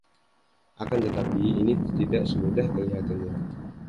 Akan tetapi, ini tidak semudah kelihatannya.